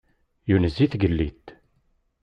Yunez i tgellidt.